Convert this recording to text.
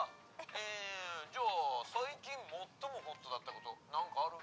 えじゃあ最近最もホットだったこと何かある？